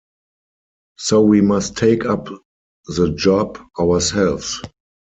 So we must take up the job ourselves.